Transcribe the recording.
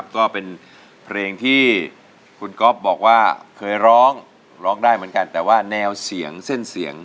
ก็เป็นเพลงที่คุณก๊อฟบอกว่าเคยร้องร้องได้เหมือนกันแต่ว่าแนวเสียงเส้นเสียง